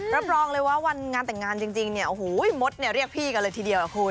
รับรองเลยว่าวันงานแต่งงานจริงเนี่ยโอ้โหมดเนี่ยเรียกพี่กันเลยทีเดียวคุณ